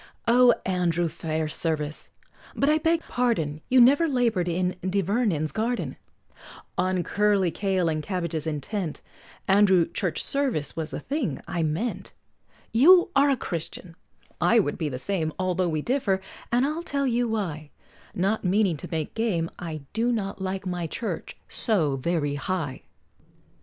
] O Andrew Fairservice, but I beg pardon, You never labor'd in Di Vernon's garden, On curly kale and cabbages intent, Andrew Churchservice was the thing I meant, You are a Christian I would be the same, Although we differ, and I'll tell you why, Not meaning to make game, I do not like my Church so very High!